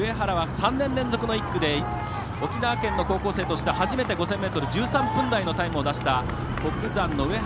３年連続の１区で沖縄県の高校生として初めて５０００ｍ１３分台のタイムを出した北山の上原。